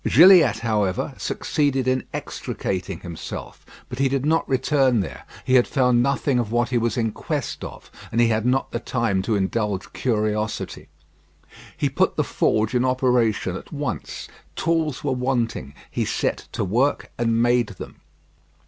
Gilliatt, however, succeeded in extricating himself; but he did not return there. He had found nothing of what he was in quest of, and he had not the time to indulge curiosity. He put the forge in operation at once. Tools were wanting; he set to work and made them.